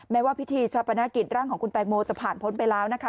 ว่าพิธีชาปนกิจร่างของคุณแตงโมจะผ่านพ้นไปแล้วนะคะ